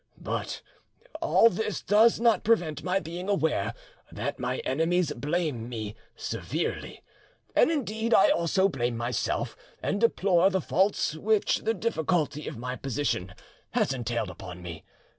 But all this does not prevent my being aware that my enemies blame me severely, and indeed I also blame myself, and deplore the faults which the difficulty of my position has entailed upon me.